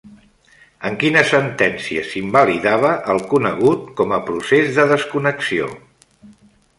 En quina sentència s'invalidava el conegut com a procés de desconnexió?